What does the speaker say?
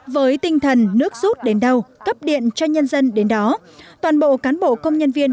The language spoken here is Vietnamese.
với tinh thần nước rút đến đâu cấp điện cho nhân dân đến đó toàn bộ cán bộ công nhân viên